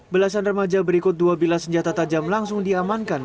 belasan remaja berikut dua bila senjata tajam langsung diamankan